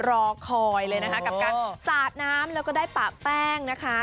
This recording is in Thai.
รอคอยเลยนะคะกับการสาดน้ำแล้วก็ได้ปะแป้งนะคะ